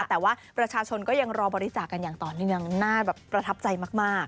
แต่ว่าประชาชนก็ยังรอบริจาคกันอย่างต่อเนื่องน่าแบบประทับใจมาก